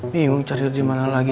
bingung cari dimana lagi